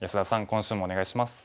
今週もお願いします。